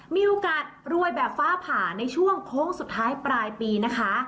มีโอกาสรวยแบบฟ้าผ่าในช่วงโค้งสุดท้ายปลายปีนะคะ